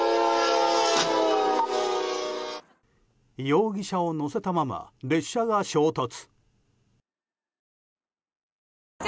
容疑者を乗せたまま列車が衝突。